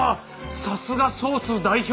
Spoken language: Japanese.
さすがソース代表。